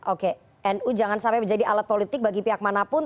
oke nu jangan sampai menjadi alat politik bagi pihak manapun